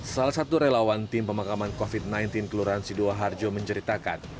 salah satu relawan tim pemakaman covid sembilan belas kelurahan sidoarjo menceritakan